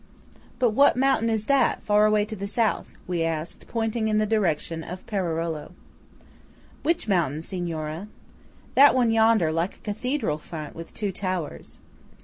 "But what mountain is that far away to the South?" we asked, pointing in the direction of Perarolo. "Which mountain, Signora?" "That one yonder, like a cathedral front with two towers."